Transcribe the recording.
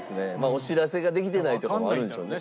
お知らせができてないとこもあるんでしょうね。